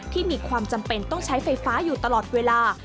มีความจำเป็นต้องใช้ไฟฟ้าอยู่ตลอดเวลา